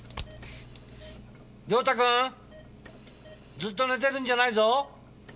良太君！ずっと寝てるんじゃないぞ！